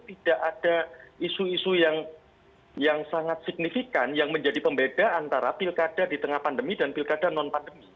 tidak ada isu isu yang sangat signifikan yang menjadi pembeda antara pilkada di tengah pandemi dan pilkada non pandemi